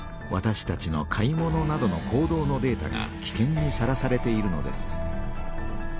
わたしたちの買い物などの行動のデータがきけんにさらされているのです。